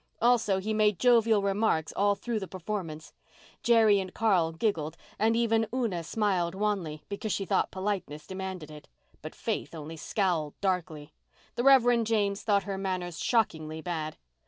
Also, he made jovial remarks all through the performance. Jerry and Carl giggled, and even Una smiled wanly, because she thought politeness demanded it. But Faith only scowled darkly. The Rev. James thought her manners shockingly bad.